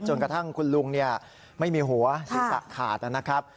จนกระทั่งคุณลุงไม่มีหัวศีรษะขาดนะครับ